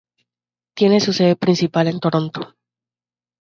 Tiene su sede principal en Toronto.